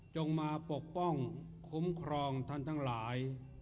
มาปกป้องคุ้มครองท่านทั้งหลาย